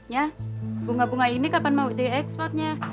ya bunga bunga ini kapan mau di ekspornya